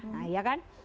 nah ya kan